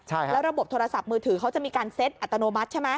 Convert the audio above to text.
แล้วระบบโทรศัพท์มือถือเขาจะมีการเซ็ตอัตโนมัติใช่ไหม